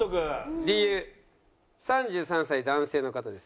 理由３３歳男性の方です。